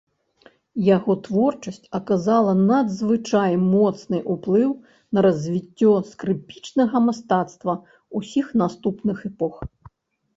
Яго творчасць аказала надзвычай моцны ўплыў на развіццё скрыпічнага мастацтва ўсіх наступных эпох.